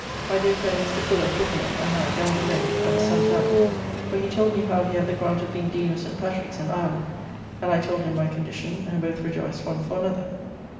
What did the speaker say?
My dear friend Mr. Fuller of Twickenham and I dined alone at the Sun Tavern, where he told me how he had the grant of being Dean of St. Patrick's, in Ireland; and I told him my condition, and both rejoiced one for another.